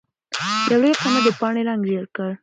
يو لوی قيامت د پاڼې رنګ ژېړ کړ.